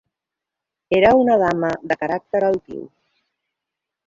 Era una dama de caràcter altiu.